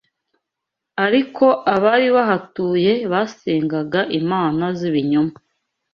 Ariko abari bahatuye basengaga imana z’ibinyoma